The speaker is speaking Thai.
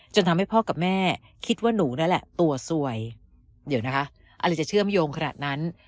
ทำให้พ่อกับแม่คิดว่าหนูนั่นแหละตัวสวยเดี๋ยวนะคะอะไรจะเชื่อมโยงขนาดนั้น